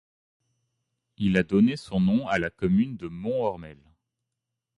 Il a donné son nom à la commune de Mont-Ormel.